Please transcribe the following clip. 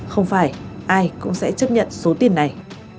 không phải ai cũng sẽ chấp nhận số tiền này